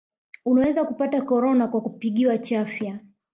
unaweza kupata korona kwa kupigiwa chafya